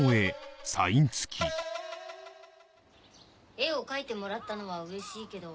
絵を描いてもらったのはうれしいけど。